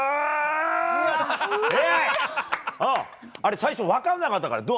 最初、分からなかったから。